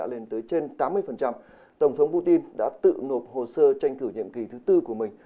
lên tới trên tám mươi tổng thống putin đã tự nộp hồ sơ tranh cử nhiệm kỳ thứ tư của mình